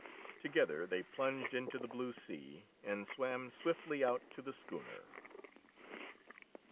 Together they plunged into the blue sea and swam swiftly out to the schooner.